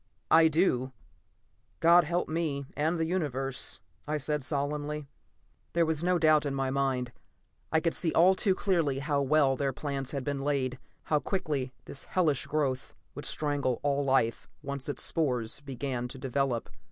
"I do God help me, and the Universe," I said solemnly. There was no doubt in my mind. I could see all too clearly how well their plans had been laid; how quickly this hellish growth would strangle all life, once its spores began to develop.